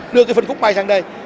đưa cái phân khúc mây sang đây